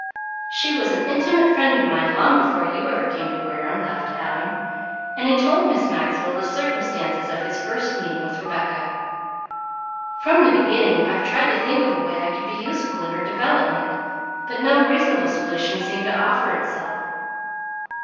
"She was an intimate friend of mine long before you ever came to Wareham," laughed Adam, and he told Miss Maxwell the circumstances of his first meeting with Rebecca. "From the beginning I've tried to think of a way I could be useful in her development, but no reasonable solution seemed to offer itself."